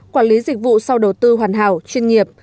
quản lý dịch vụ sau đầu tư hoàn hảo chuyên nghiệp